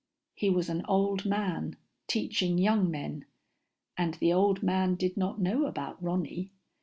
He was an old man, teaching young men, and the old man did not know about Ronny.